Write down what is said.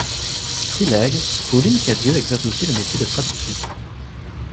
Trilingue, Pauline Cadieux exerce aussi le métier de traductrice.